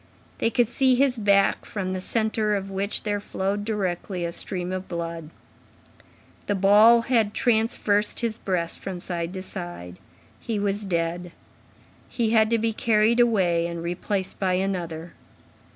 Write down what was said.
They could see his back, from the centre of which there flowed directly a stream of blood. The ball had traversed his breast from side to side. He was dead. He had to be carried away and replaced by another.